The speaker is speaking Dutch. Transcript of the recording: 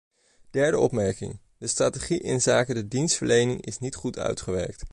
Derde opmerking: de strategie inzake de dienstverlening is niet goed uitgewerkt.